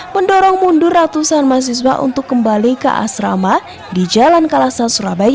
mendorong mundur ratusan mahasiswa untuk kembali ke asrama di jalan kalasan surabaya